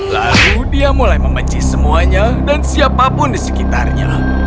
lalu dia mulai membenci semuanya dan siapapun di sekitarnya